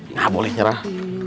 nah boleh nyerah